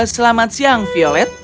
selamat siang violet